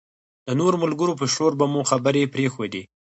د نورو ملګرو په شور به مو خبرې پرېښودې.